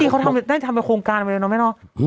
จริงเขาได้ทำเป็นโครงการไปเลยเนอะแม่นอน